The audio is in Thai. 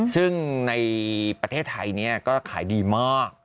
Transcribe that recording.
ซึ่งในประเทศไทยก็ขายดีมาก